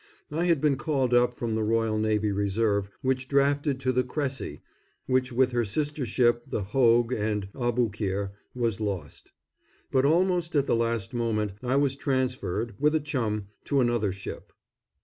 I had been called up from the Royal Naval Reserve and drafted to the Cressy, which, with her sister ships the Hogue and Aboukir, was lost; but almost at the last moment I was transferred, with a chum, to another ship.